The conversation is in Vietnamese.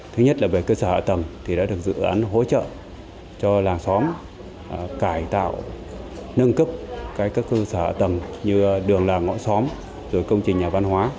thứ nhất là về cơ sở hạ tầng thì đã được dự án hỗ trợ cho làng xóm cải tạo nâng cấp các cơ sở hạ tầng như đường làng ngõ xóm rồi công trình nhà văn hóa